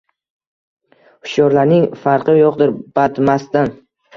Hushyorlarning farqi yoʻqdir badmastdan.